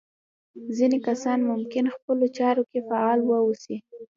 ځينې کسان ممکن خپلو چارو کې فعال واوسي.